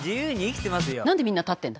なんでみんな立ってるの？